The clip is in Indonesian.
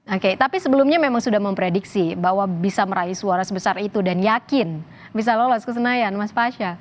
oke tapi sebelumnya memang sudah memprediksi bahwa bisa meraih suara sebesar itu dan yakin bisa lolos ke senayan mas pasha